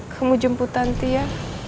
kamu jemput tanti ya